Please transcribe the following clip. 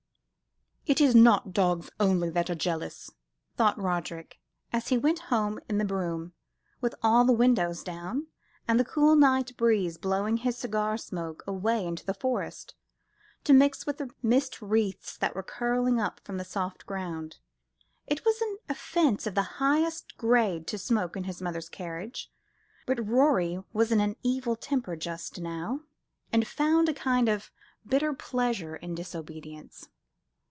"It is not dogs only that are jealous!" thought Roderick, as he went home in the brougham, with all the windows down, and the cool night breeze blowing his cigar smoke away into the forest, to mix with the mist wreaths that were curling up from the soft ground. It was an offence of the highest grade to smoke in his mother's carriage; but Rorie was in an evil temper just now, and found a kind of bitter pleasure in disobedience.